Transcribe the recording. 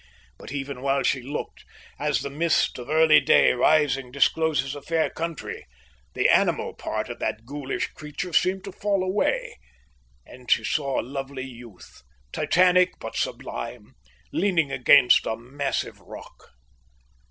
But even while she looked, as the mist of early day, rising, discloses a fair country, the animal part of that ghoulish creature seemed to fall away, and she saw a lovely youth, titanic but sublime, leaning against a massive rock.